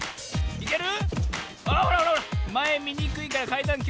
いける？